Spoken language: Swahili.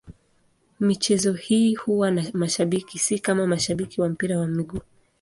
Michezo hii huwa na mashabiki, si kama mashabiki wa mpira wa miguu.